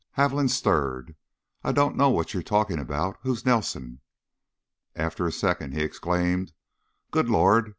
Haviland stirred. "I don't know what you're talking about. Who's Nelson?" After a second he exclaimed: "Good Lord!